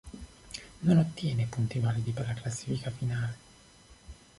Non ottiene punti validi per la classifica finale.